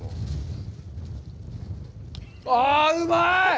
ああ、うまい！